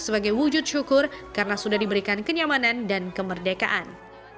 sebagai wujud syukur karena sudah diberikan kenyamanan dan kemerdekaan